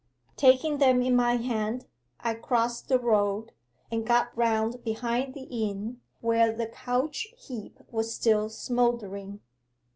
'Taking them in my hand, I crossed the road, and got round behind the inn, where the couch heap was still smouldering.